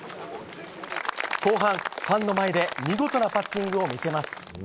後半、ファンの前で見事なパッティングを見せます。